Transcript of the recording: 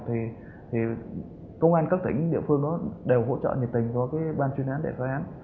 thì công an các tỉnh địa phương đều hỗ trợ nhiệt tình cho ban chuyên án đại phó án